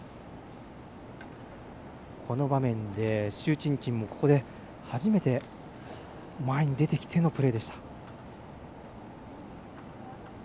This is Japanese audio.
この場面で朱珍珍もここでは初めて前に出てきてのプレーでした。